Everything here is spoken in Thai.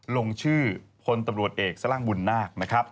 ลงชื่อคนตำรวจเอกสร้างบุญนาค